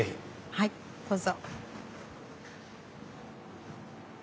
はいどうぞ。